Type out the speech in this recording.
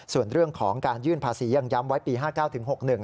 ส่วนเรื่องของการยื่นภาษียังย้ำไว้ปี๕๙ถึง๖๑